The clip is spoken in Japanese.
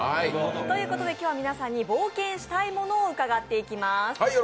ということで今日は皆さんに冒険したいものを伺っていきます。